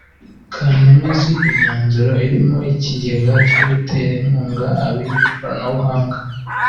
kanemeza imyanzuro irimo ikigega cyo gutera inkunga abiga ikoranabuhanga